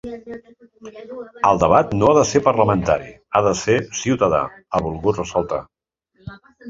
El debat no ha de ser parlamentari, ha de ser ciutadà, ha volgut ressaltar.